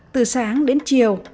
từ sáng đến chiều